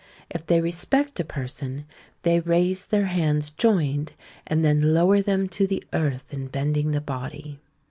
If they respect a person, they raise their hands joined, and then lower them to the earth in bending the body.